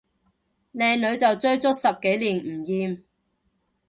靚女就追足十幾年唔厭